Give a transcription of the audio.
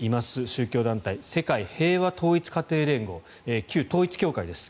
宗教団体世界平和統一家庭連合旧統一教会です。